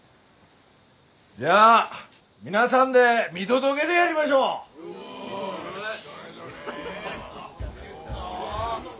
じゃあ皆さんで見届げてやりましょう！よし！